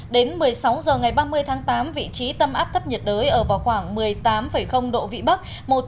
đến một mươi sáu h ngày ba mươi tháng tám vị trí tâm áp thấp nhiệt đới ở vào khoảng một mươi tám độ vĩ bắc